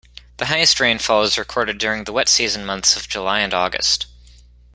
The highest rainfall is recorded during the wet season months of July and August.